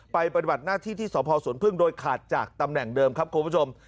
ปฏิบัติหน้าที่ที่สพสวนพึ่งโดยขาดจากตำแหน่งเดิมครับคุณผู้ชม